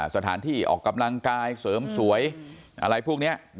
สถานที่ออกกำลังกายเสริมสวยอะไรพวกนี้